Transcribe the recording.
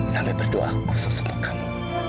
saya sudah berdoa untuk kamu